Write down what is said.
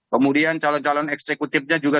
kemudian calon calon eksekutifnya juga